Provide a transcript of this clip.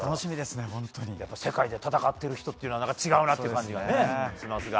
世界で戦っている人というのは何か違うなという感じがしますね。